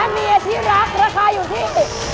เมียที่รักราคาอยู่ที่